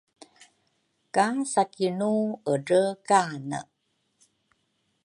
ka Sakinu edrekane